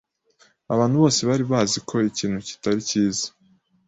abantu bose bari bazi ko ikintu kitari cyiza.